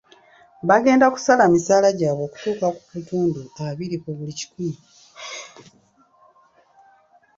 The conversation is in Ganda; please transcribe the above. Bagenda kusala ku misaala gyabwe okutuuka ku bitundu abiri ku buli kikumi.